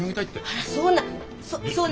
あらそうな。